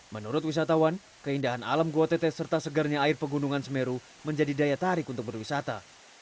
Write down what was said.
menurut wisatawan keindahan alam gua tetes serta segarnya air pegunungan semeru menjadi daya tarik untuk berwisata